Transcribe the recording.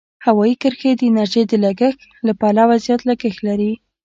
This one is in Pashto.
هوایي کرښې د انرژۍ د لګښت له پلوه زیات لګښت لري.